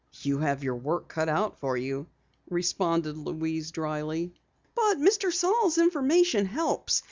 "You have your work cut out for you," responded Louise dryly. "But Mr. Saal's information helps.